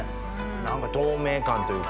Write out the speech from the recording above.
何か透明感というか。